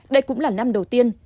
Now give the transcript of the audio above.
đây cũng là năm đầu tiên